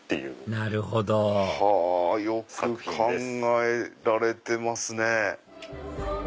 なるほどよく考えられてますね。